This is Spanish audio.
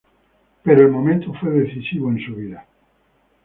Pero el momento fue decisivo en su vida.